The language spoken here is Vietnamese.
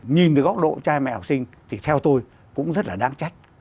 nhìn từ góc độ trai mẹ học sinh thì theo tôi cũng rất là đáng trách